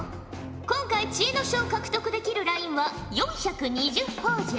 今回知恵の書を獲得できるラインは４２０ほぉじゃ。